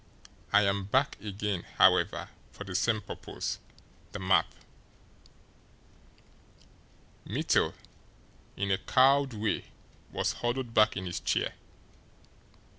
I am back again, however, for the same purpose the map!" Mittel, in a cowed way, was huddled back in his chair.